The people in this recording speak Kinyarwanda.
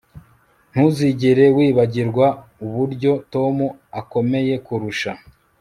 Ntuzigere wibagirwa uburyo Tom akomeye kukurusha